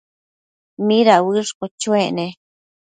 ¿mida uëshquio chuec ne?